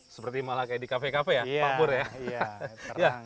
seperti malah kayak di kafe kafe ya pak pur ya